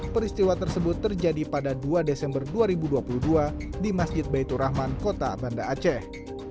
peristiwa tersebut terjadi pada dua desember dua ribu dua puluh dua di masjid baitur rahman kota banda aceh